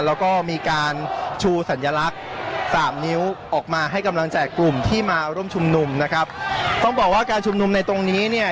แล้วก็มีการชูสัญลักษณ์สามนิ้วออกมาให้กำลังใจกลุ่มที่มาร่วมชุมนุมนะครับต้องบอกว่าการชุมนุมในตรงนี้เนี่ย